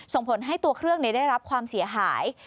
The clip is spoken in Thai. ส่งผลให้ตัวเครื่องได้รับความเสียหาย